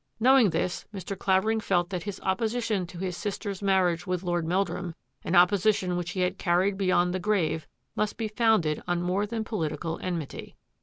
Knowing this, Mr. Clavering felt that his opposition to his sis ter's marriage with Lord Meldrum — an oppo sition which he had carried beyond the grave — must be founded on more than political enmity.